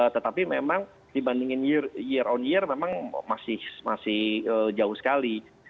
tetapi memang dibandingin year on year memang masih jauh sekali